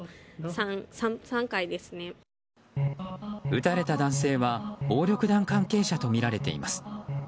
撃たれた男性は暴力団関係者とみられています。